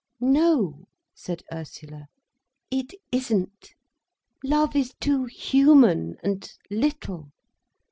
"No," said Ursula, "it isn't. Love is too human and little.